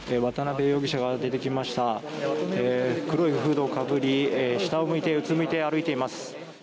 黒いフードをかぶり下を向いてうつむいて歩いています。